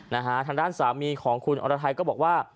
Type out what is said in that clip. ทางด้านสามีของคุณอรไทยก็บอกว่า